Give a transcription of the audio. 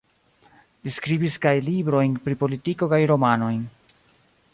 Li skribis kaj librojn pri politiko kaj romanojn.